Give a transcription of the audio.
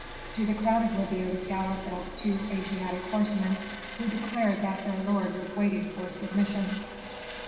To the crowd of Libyans galloped up two Asiatic horsemen, who declared that their lord was waiting for submission.